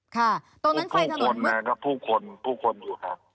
ค่ะค่ะตรงนั้นไฟถนนผู้คนนะครับผู้คนผู้คนอยู่ค่ะ